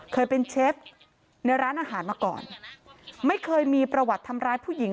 เคยเป็นเชฟในร้านอาหารมาก่อนไม่เคยมีประวัติทำร้ายผู้หญิง